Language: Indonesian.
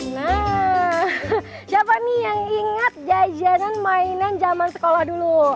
nah siapa nih yang ingat jajanan mainan zaman sekolah dulu